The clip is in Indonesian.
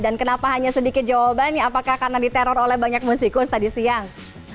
kenapa hanya sedikit jawabannya apakah karena diteror oleh banyak musikus tadi siang